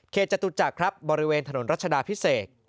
จตุจักรครับบริเวณถนนรัชดาพิเศษ